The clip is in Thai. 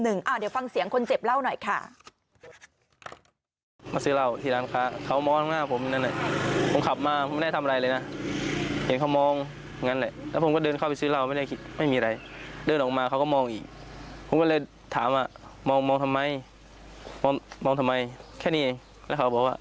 เดี๋ยวฟังเสียงคนเจ็บเล่าหน่อยค่ะ